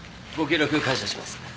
ご協力感謝します。